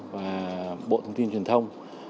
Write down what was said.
và bộ thông tin truyền thông